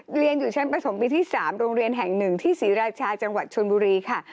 เรียนอยู่ชั้นประถมปีที่๓โรงเรียนแห่ง๑ที่ศรีราชาจังหวัดชนบุรีค่ะ